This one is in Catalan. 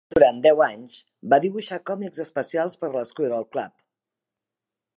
Durant deu anys, va dibuixar còmics especials per al Squirrel Club.